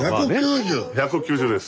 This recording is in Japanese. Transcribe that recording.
１９０です。